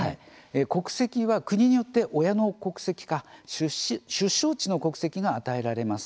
国籍は国によって親の国籍か出生地の国籍が与えられます。